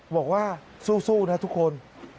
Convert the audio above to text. บอกว่าสู้นะทุกคน